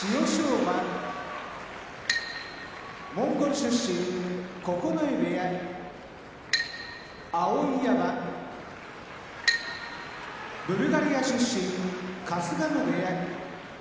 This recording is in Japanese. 馬モンゴル出身九重部屋碧山ブルガリア出身春日野部屋